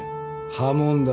破門だ。